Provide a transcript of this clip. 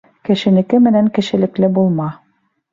Кешенеке менән кешелекле булма.